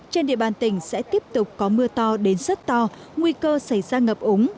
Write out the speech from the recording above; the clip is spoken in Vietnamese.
trên địa bàn tỉnh sẽ tiếp tục có mưa to đến rất to nguy cơ xảy ra ngập úng